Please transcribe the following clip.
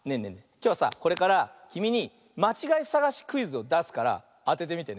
きょうはさこれからきみにまちがいさがしクイズをだすからあててみてね。